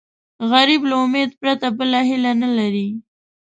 غریب له امید پرته بله هیله نه لري